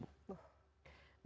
maafkan orang yang menyakiti mu